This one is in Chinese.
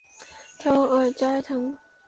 蒂尔加滕。